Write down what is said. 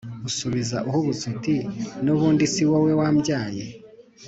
Unsubiza uhubutse uti “ n’ubundi si wowe wambyaye”